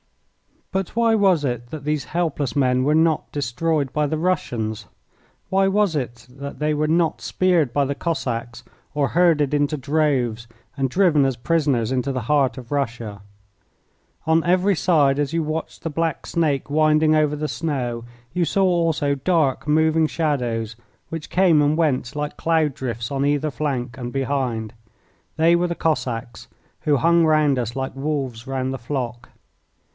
But why was it that these helpless men were not destroyed by the Russians? Why was it that they were not speared by the Cossacks or herded into droves, and driven as prisoners into the heart of Russia? On every side as you watched the black snake winding over the snow you saw also dark, moving shadows which came and went like cloud drifts on either flank and behind. They were the Cossacks, who hung round us like wolves round the flock.